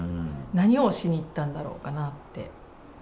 何をしに行ったんだろうかなって。